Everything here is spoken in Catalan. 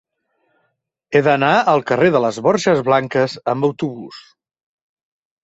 He d'anar al carrer de les Borges Blanques amb autobús.